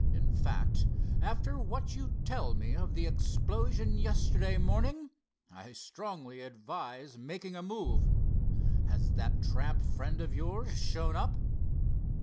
In fact, after what you tell me of the explosion yesterday morning, I strongly advise making a move. Has that tramp friend of yours shown up?"